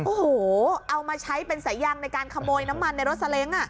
โอ้โหเอามาใช้เป็นสายยางในการขโมยน้ำมันในรถซาเล้ง